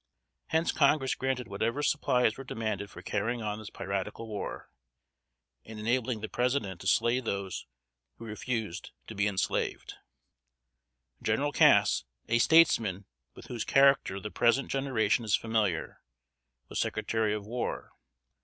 Hence Congress granted whatever supplies were demanded for carrying on this piratical war, and enabling the President to slay those who refused to be enslaved. [Sidenote: 1836.] General Cass, a statesman with whose character the present generation is familiar, was Secretary of War.